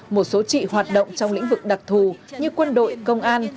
một số chị hoạt động trong lĩnh vực đặc thù như quân đội công an